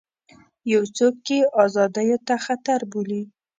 یو څوک یې ازادیو ته خطر بولي.